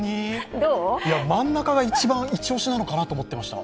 真ん中が一番イチオシなのかなと思ってました。